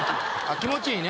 気持ちいいね